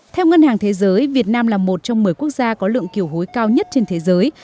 theo ngân hàng thế giới việt nam là một trong một mươi quốc gia có lượng kiều hối cao nhất trên thế giới